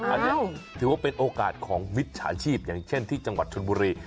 อันนี้ถือว่าเป็นโอกาสของมิจฉาชีพอย่างเช่นที่จังหวัดชนบุรี